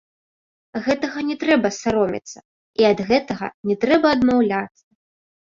Гэтага не трэба саромецца, і ад гэтага не трэба адмаўляцца.